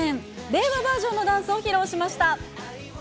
令和バージョンのダンスを披露しました。